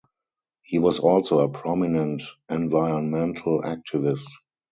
He was also a prominent environmental activist.